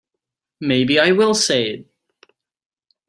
Maybe I will say it.